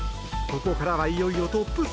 ここからは、いよいよトップ３！